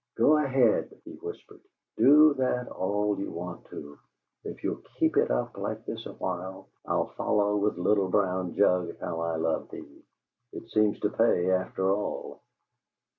"Go ahead!" he whispered. "Do that all you want to. If you'll keep it up like this awhile, I'll follow with 'Little Brown Jug, How I Love Thee!' It seems to pay, after all!"